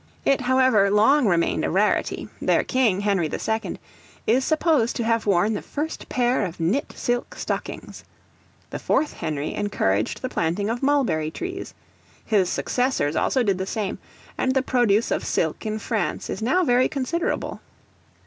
It, however, long remained a rarity; their King, Henry the Second, is supposed to have worn the first pair of knit silk stockings. The Fourth Henry encouraged the planting of mulberry trees; his successors also did the same, and the produce of silk in France is now very considerable.